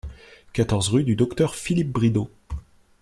quatorze rue du Docteur Philippe Bridot